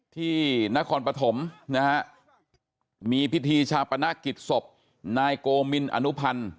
ที่นครปฐมนะฮะมีพิธีชาปนกิจศพนายโกมินอนุพันธ์